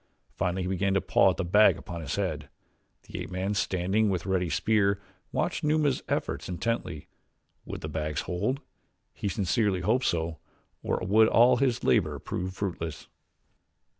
Finally he began to paw at the bag upon his head. The ape man, standing with ready spear, watched Numa's efforts intently. Would the bags hold? He sincerely hoped so. Or would all his labor prove fruitless?